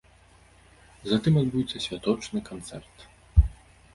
Затым адбудзецца святочны канцэрт.